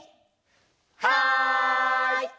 はい！